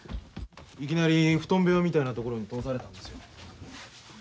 いきなり布団部屋みたいな所に通されたんですよ。